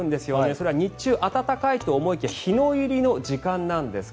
それは日中暖かいと思いきや日の入りの時間なんです。